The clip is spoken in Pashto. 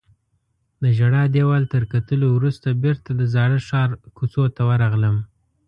د ژړا دیوال تر کتلو وروسته بیرته د زاړه ښار کوڅو ته ورغلم.